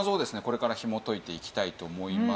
これからひもといていきたいと思いますが